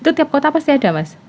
itu tiap kota pasti ada mas